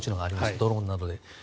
ドローンなどで。